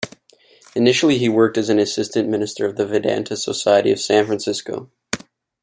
Initially he worked as an assistant minister of the Vedanta Society of San Francisco.